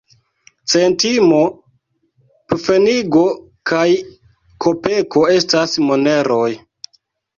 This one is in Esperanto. Centimo, pfenigo kaj kopeko estas moneroj.